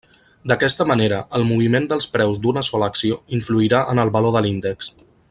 D'aquesta manera, el moviment dels preus d'una sola acció influirà en el valor de l'índex.